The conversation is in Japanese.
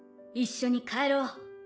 一緒に帰ろう。